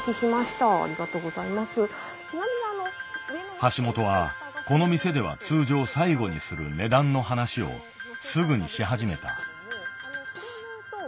橋本はこの店では通常最後にする値段の話をすぐにし始めた。